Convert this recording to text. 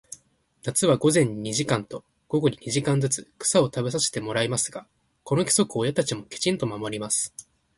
夏は午前に二時間と、午後に二時間ずつ、草を食べさせてもらいますが、この規則を親たちもきちんと守ります。